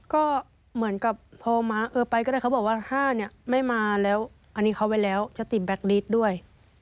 ก็เหมือนกับพอมาเออไปก็ได้เขาบอกว่า๕เนี่ยไม่มาแล้วอันนี้เขาไว้แล้วจะติดแบ็คลิสต์ด้วย